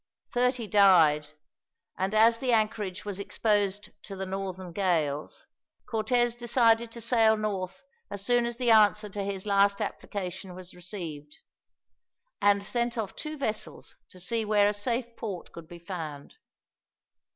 Thirty died, and as the anchorage was exposed to the northern gales, Cortez decided to sail north as soon as the answer to his last application was received, and sent off two vessels to see where a safe port could be found.